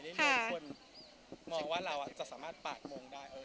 ได้มีคนมองว่าเราจะสามารถปากมงได้